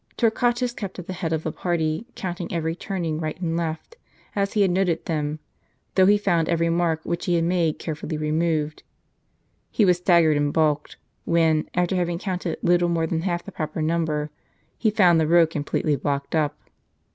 Torquatus kept at the head of the party, counting every turn ing right and left, as he had noted them; though he found crtt i:^ every mark which he had made carefully removed. He was staggered and baulked, when, after having counted little more than half the proper number, lie found the road completely blocked up.